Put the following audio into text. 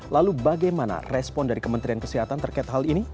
lalu bagaimana respon dari kementerian kesehatan terkait hal ini